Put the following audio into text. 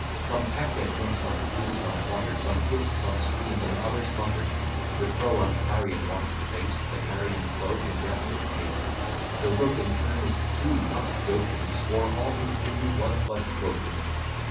Some peck'd at him, some flew, some flutter'd, Some hiss'd, some scream'd, and others mutter'd: The Crow, on carrion wont to feast, The Carrion Crow, condemn'd his taste: The Rook, in earnest too, not joking, Swore all his singing was but croaking.